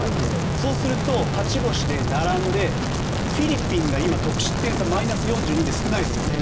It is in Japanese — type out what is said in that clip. そうすると、勝ち星が並んでフィリピンが得失点差マイナス４２で少ないですよね。